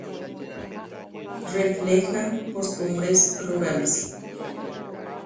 ohechauka okaraygua jepokuaaha